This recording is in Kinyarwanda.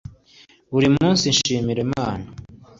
buri munsi nshimira imana